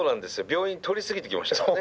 病院通り過ぎてきましたからね。